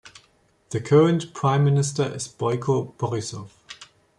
The current Prime Minister is Boyko Borisov.